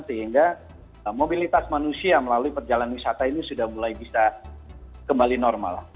sehingga mobilitas manusia melalui perjalanan wisata ini sudah mulai bisa kembali normal